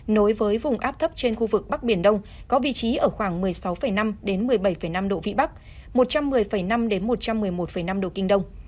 nối với vùng áp thấp trên khu vực bắc biển đông có vị trí ở khoảng một mươi sáu năm một mươi bảy năm độ vĩ bắc một trăm một mươi năm một trăm một mươi một năm độ kinh đông